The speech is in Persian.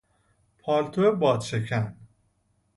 پالتو بادشکن